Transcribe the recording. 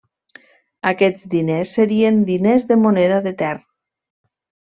Aquests diners serien diners de moneda de tern.